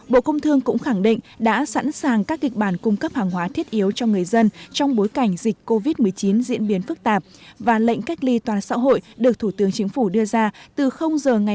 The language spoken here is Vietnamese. bộ công thương cũng khẳng định đã sẵn sàng các kịch bản cung cấp hàng hóa thiết yếu cho người dân trong bối cảnh dịch covid một mươi chín diễn biến phức tạp và lệnh cách ly toàn xã hội được thủ tướng chính phủ đưa ra từ giờ ngày một một bốn và kéo dài trong một mươi năm ngày